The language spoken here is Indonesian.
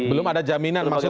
belum ada jaminan maksudnya